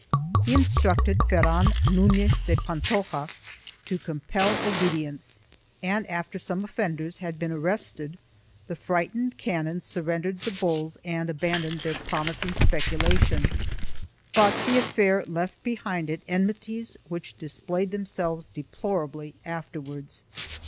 He instructed Ferran Nunez de Pantoja to compel obedience and, after some offenders had been arrested, the frightened canons surrendered the bulls and abandoned their promising speculation, but the affair left behind it enmities which displayed themselves deplorably afterwards.